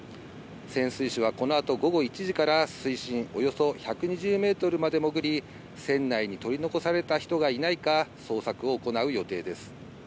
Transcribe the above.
潜水士はこの後、午後１時から水深およそ１２０メートルまで潜り、船内に取り残された人がいないか捜索を行う予定です。